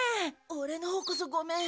オレのほうこそごめん。